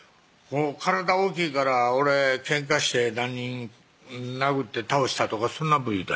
体大きいから「俺けんかして何人殴って倒した」とかそんな武勇伝？